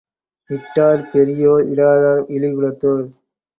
இட்டார் பெரியோர் இடாதார் இழிகுலத்தோர்.